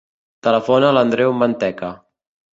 Telefona a l'Andreu Manteca.